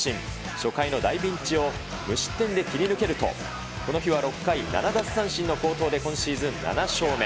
初回の大ピンチを無失点で切り抜けると、この日は６回７奪三振の好投で、今シーズン７勝目。